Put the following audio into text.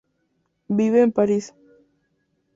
Vive en París.